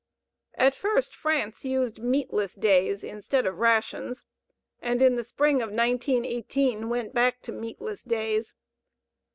At first France used meatless days instead of rations, and in the spring of 1918 went back to meatless days.